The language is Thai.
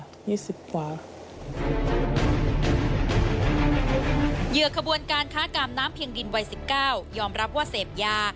เหยื่อขบวนการค้ากามน้ำเพียงดินวัย๑๙ยอมรับว่าเสพยา